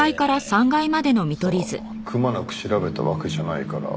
さあくまなく調べたわけじゃないから。